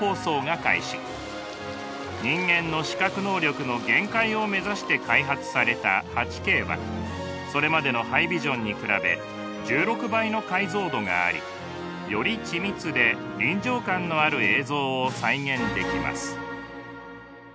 人間の視覚能力の限界を目指して開発された８Ｋはそれまでのハイビジョンに比べ１６倍の解像度がありより緻密で臨場感のある映像を再現できます。